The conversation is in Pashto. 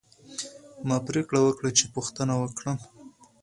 ما پریکړه وکړه چې پوښتنه وکړم.